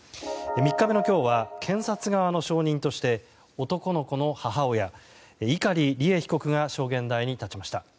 ３日目の今日は検察側の証人として男の子の母親、碇利恵被告が証言台に立ちました。